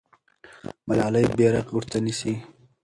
ملالۍ بیرغ ورته نیسي.